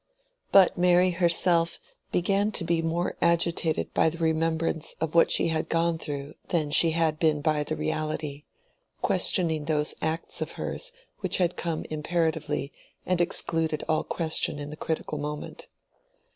But Mary herself began to be more agitated by the remembrance of what she had gone through, than she had been by the reality—questioning those acts of hers which had come imperatively and excluded all question in the critical moment.